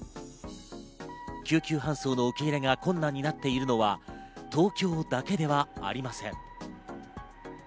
救急搬送の受け入れが困難になっているのは東京だけではありません。